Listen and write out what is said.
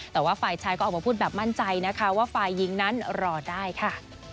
แต่ว่าฝ่ายชายก็ออกมาพูดแบบมั่นใจนะคะว่าฝ่ายหญิงนั้นรอได้ค่ะ